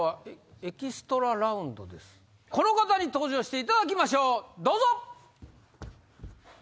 この方に登場していただきますどうぞ！